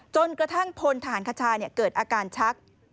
จนกระทั่งพลทหารคชาเกิดอาการชัก